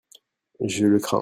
Je le crains.